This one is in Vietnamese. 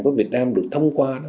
của việt nam được thông qua